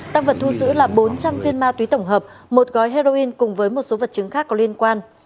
tăng vật thu giữ là bốn trăm linh viên ma túy tổng hợp một gói heroin cùng với một số vật chứng khác có liên quan